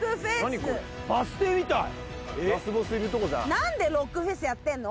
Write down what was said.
何これ何でロックフェスやってんの？